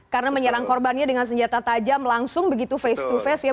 karena menyerang korbannya dengan senjata tajam langsung begitu face to face ya